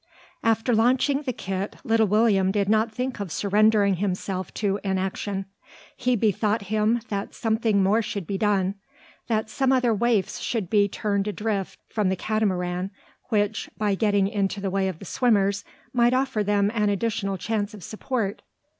After launching the kit, little William did not think of surrendering himself to inaction. He bethought him that something more should be done, that some other waifs should be turned adrift from the Catamaran, which, by getting into the way of the swimmers, might offer them an additional chance of support.